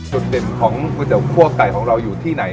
จุดเด่นของก๋วยเตี๋คั่วไก่ของเราอยู่ที่ไหน